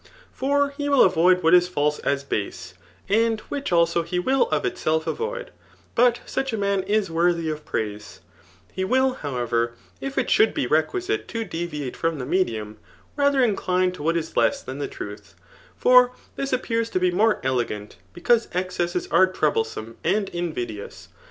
For he witi avdd what is false as base, and which also^ hee will of it^lf avoid ; but such a man is worthy of prai^ew He will, however, \ji iv should be requisite to dieviatte from the medium] rather incUne to wluit is ks^ dian Ae truth ; for this appears to be more degant, be» cause esccesses are troublesome and invidious.